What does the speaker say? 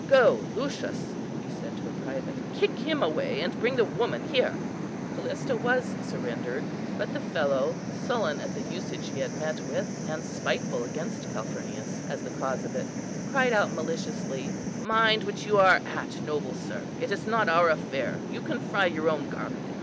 Go, Lucius," he said to a private, "kick him away, and bring the woman here." Callista was surrendered, but the fellow, sullen at the usage he had met with, and spiteful against Calphurnius, as the cause of it, cried out maliciously, "Mind what you are at, noble sir, it's not our affair; you can fry your own garlic.